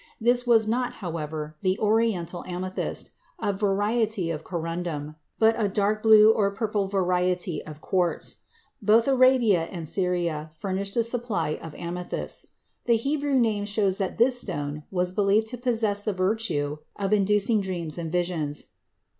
This was not, however, the Oriental amethyst, a variety of corundum, but a dark blue or purple variety of quartz. Both Arabia and Syria furnished a supply of amethysts. The Hebrew name shows that this stone was believed to possess the virtue of inducing dreams and visions (cf.